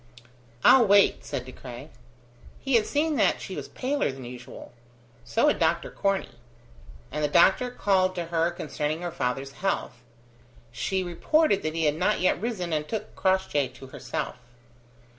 "I'll wait," said De Craye. He had seen that she was paler than usual. So had Dr. Corney; and the doctor called to her concerning her father's health. She reported that he had not yet risen, and took Crossjay to herself.